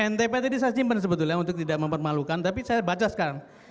ntp tadi saya simpan sebetulnya untuk tidak mempermalukan tapi saya baca sekarang